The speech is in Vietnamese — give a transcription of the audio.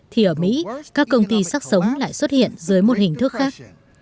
thì ở mỹ các công ty sát sống lại xuất hiện dưới một hình thức khác